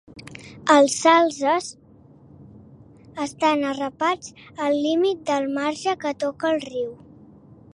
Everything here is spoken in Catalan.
Els salzes estan arrapats al límit del marge que toca el riu.